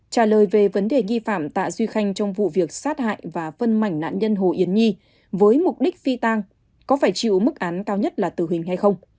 trả lời về vấn đề nghi phạm tạ duy khanh trong vụ việc sát hại và phân mảnh nạn nhân hồ yến nhi với mục đích phi tang có phải chịu mức án cao nhất là tử hình hay không